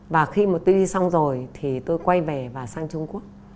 và khi mà tôi đi xong rồi thì tôi quay về và sang trung quốc